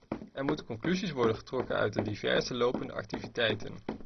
Er moeten conclusies worden getrokken uit de diverse lopende activiteiten.